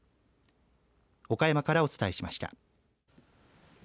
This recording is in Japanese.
岡山からお伝えしました。